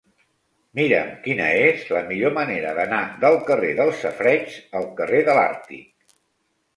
Mira'm quina és la millor manera d'anar del carrer dels Safareigs al carrer de l'Àrtic.